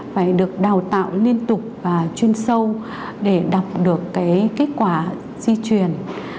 phải được đào tạo liên tục và chuyên sâu để đọc được cái kết quả di truyền